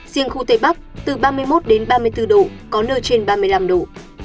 riêng khu tây bắc từ ba mươi một đến ba mươi bốn độ có nơi trên ba mươi năm độ